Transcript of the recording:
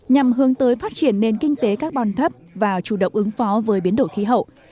nhằm hướng tới phát triển nền kinh tế carbon thấp và chủ động ứng phó với biến đổi khí hậu